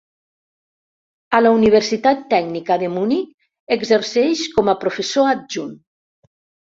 A la Universitat Tècnica de Munic exerceix com a professor adjunt.